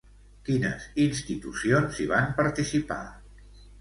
Quines institucions hi van participar?